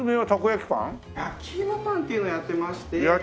焼き芋パンっていうのをやってまして。